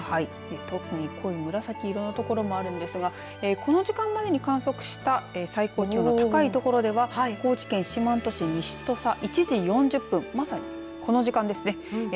特に濃い紫色のところもあるんですがこの時間までに観測した最高気温の高いところでは高知県四万十市西土佐１時４０分まさにこの時間ですね。